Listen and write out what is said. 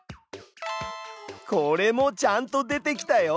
これもちゃんと出てきたよ。